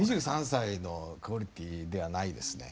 ２３歳のクオリティーではないですね。